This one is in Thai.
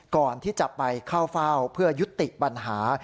ก่อนที่จะไปเข้าเฝ้าเพื่อยุติปัญหา